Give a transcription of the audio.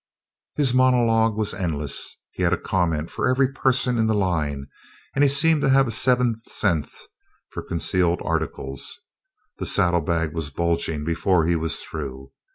His monologue was endless; he had a comment for every person in the line, and he seemed to have a seventh sense for concealed articles. The saddlebag was bulging before he was through.